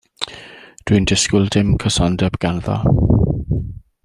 Dwi'n disgwyl dim cysondeb ganddo.